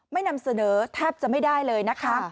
นำเสนอแทบจะไม่ได้เลยนะคะ